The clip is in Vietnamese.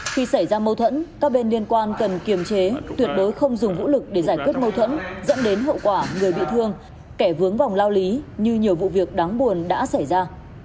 khi xảy ra mâu thuẫn các bên liên quan cần kiềm chế tuyệt đối không dùng vũ lực để giải quyết mâu thuẫn dẫn đến hậu quả người bị thương kẻ vướng vòng lao lý như nhiều vụ việc đáng buồn đã xảy ra